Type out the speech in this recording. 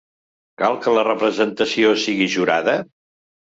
Cal que la representació sigui jurada?